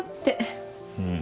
うん。